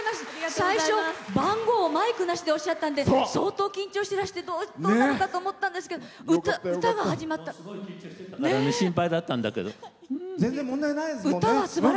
最初、番号をマイクなしでおっしゃったんで相当、緊張してらしてどうなるかと思ったんですけど歌が始まったら。